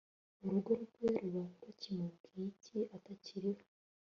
urugo rwe ruba rukimubwiye iki, atakiriho